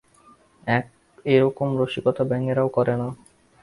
এরকম রসিকতা ব্যাঙেরাও করে না।